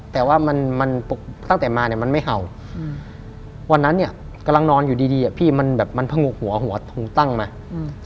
แต่ว่ามันมันตั้งแต่มาเนี่ยมันไม่เห่าอืมวันนั้นเนี่ยกำลังนอนอยู่ดีดีอ่ะพี่มันแบบมันผงกหัวหัวถุงตั้งมาอืม